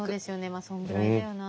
まあそんぐらいだよな。